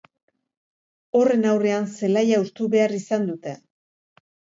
Horren aurrean zelaia hustu behar izan dute.